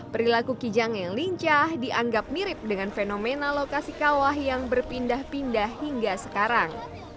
perilaku kijang yang lincah dianggap mirip dengan fenomena lokasi kawah yang berpindah pindah hingga sekarang